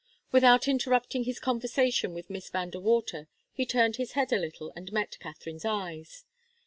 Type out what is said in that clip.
Without interrupting his conversation with Miss Van De Water, he turned his head a little and met Katharine's eyes.